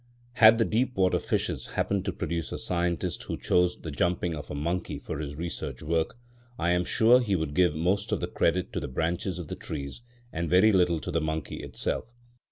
Had the deep water fishes happened to produce a scientist who chose the jumping of a monkey for his research work, I am sure he would give most of the credit to the branches of the trees and very little to the monkey itself.